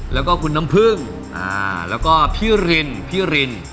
แล้วก็คุณน้ำพึ่งแล้วก็พี่รินพี่ริน